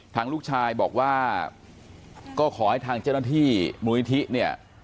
ทางลูกชายบอกว่าก็ขอให้ทางเจ้าหน้าที่มูลนิธิเนี่ย